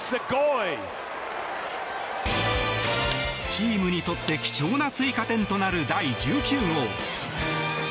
チームにとって貴重な追加点となる第１９号。